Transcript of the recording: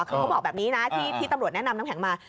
คือเขาบอกแบบนี้นะที่ตำรวจแนะนำน้ำแข็งมา